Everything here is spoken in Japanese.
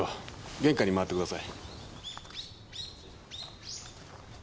玄関に回ってください。